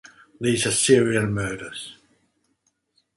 These are serial murders.